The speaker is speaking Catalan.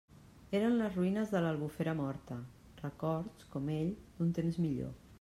Eren les ruïnes de l'Albufera morta; records, com ell, d'un temps millor.